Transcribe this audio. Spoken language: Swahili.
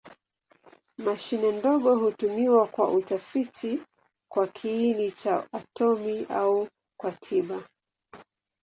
Mashine ndogo hutumiwa kwa utafiti kwa kiini cha atomi au kwa tiba.